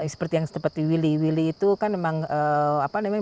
seperti yang seperti willy willy itu kan memang